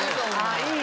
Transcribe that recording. いい！